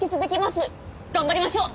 頑張りましょう！